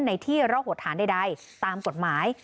ในที่ระโหดฐานใดตามกฎหมาย